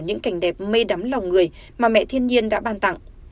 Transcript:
những cảnh đẹp mây đắm lòng người mà mẹ thiên nhiên đã ban tặng